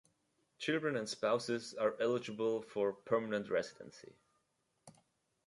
Children and spouses are eligible for permanent residency.